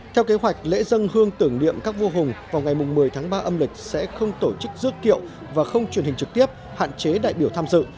theo kế hoạch lễ dân hương tưởng niệm các vua hùng vào ngày một mươi tháng ba âm lịch sẽ không tổ chức dước kiệu và không truyền hình trực tiếp hạn chế đại biểu tham dự